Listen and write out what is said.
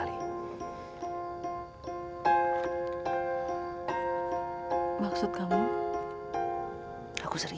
lebih baik kamu ganti baju